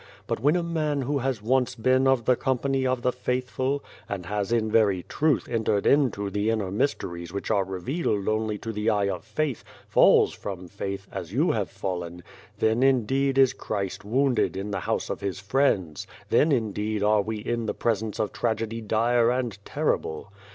But when a man who has once been of the company of the faithful, and has in very truth entered into the inner mysteries which are revealed only to the eye of faith, falls from faith, as you have fallen, then indeed is Christ wounded in the house of His friends ; then indeed are we in the presence of tragedy dire and terrible.